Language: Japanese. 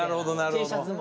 Ｔシャツも。